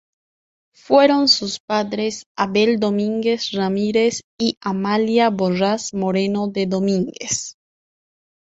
Fueron sus padres Abel Domínguez Ramírez y Amalia Borrás Moreno de Domínguez.